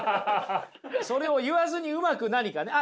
それを言わずにうまく何かね。